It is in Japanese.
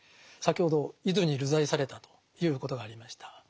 先ほど伊豆に流罪されたということがありました。